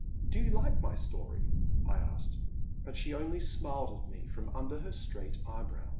Do you like my story ?*' I asked. But she only smiled at me from under her straight eyebrows.